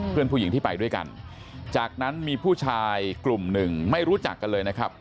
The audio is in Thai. เพื่อนผู้หญิงที่ไปด้วยกันจากนั้นมีผู้ชายกลุ่มหนึ่งไม่รู้จักกันเลยนะครับ